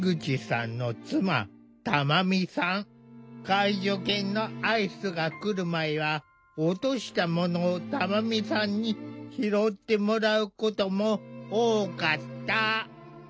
介助犬のアイスが来る前は落としたものを珠美さんに拾ってもらうことも多かった。